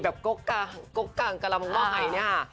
แบบกกังกลับลำไหว